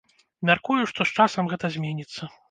Мяркую, што з часам гэта зменіцца.